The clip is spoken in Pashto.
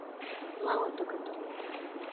ما ورته کتل ،